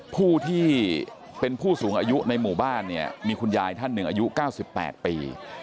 ผู้ที่เป็นผู้สูงอายุในหมู่บ้านเนี่ยมีคุณยายท่านหนึ่งอายุ๙๘ปี